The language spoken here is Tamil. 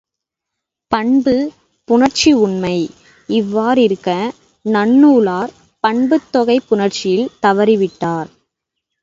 பண்புப் புணர்ச்சி உண்மை இவ்வாறிருக்க, நன்னூலார் பண்புத் தொகைப் புணர்ச்சியில் தவறிவிட்டார்.